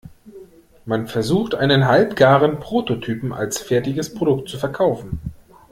Man versucht, einen halbgaren Prototypen als fertiges Produkt zu verkaufen.